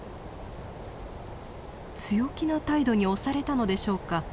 強気な態度に押されたのでしょうか。